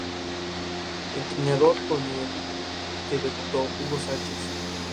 Entrenador con el que debutó: Hugo Sánchez